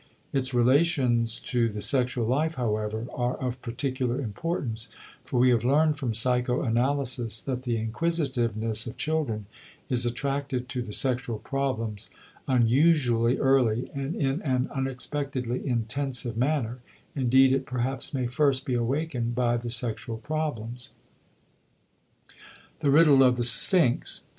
Its relations to the sexual life, however, are of particular importance, for we have learned from psychoanalysis that the inquisitiveness of children is attracted to the sexual problems unusually early and in an unexpectedly intensive manner, indeed it perhaps may first be awakened by the sexual problems. *The Riddle of the Sphinx.